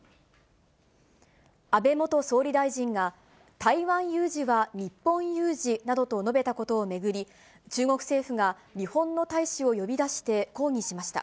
安倍元総理大臣が、台湾有事は日本有事などと述べたことを巡り、中国政府が日本の大使を呼び出して抗議しました。